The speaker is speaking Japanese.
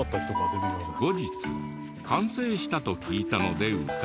後日完成したと聞いたので伺うと。